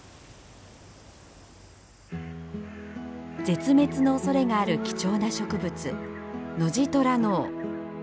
絶滅のおそれがある貴重な植物ノジトラノオ。